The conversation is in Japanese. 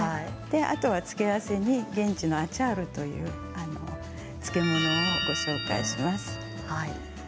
あとは付け合わせにアチャールという現地の漬物をご紹介します。